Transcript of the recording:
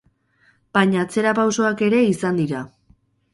Baina atzerapausoak ere izan dira.